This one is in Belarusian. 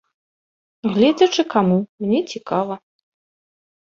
Гледзячы каму, мне цікава.